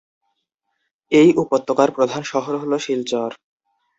এই উপত্যকার প্রধান শহর হল শিলচর।